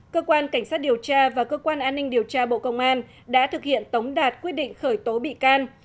cơ quan cảnh sát điều tra và cơ quan an ninh điều tra bộ công an đã thực hiện tống đạt quyết định khởi tố bị can